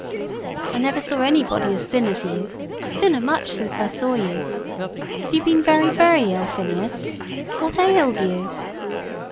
"I never saw anybody so thin as you; thinner much since I saw you. Have you been very, very ill, Phineas? What ailed you?"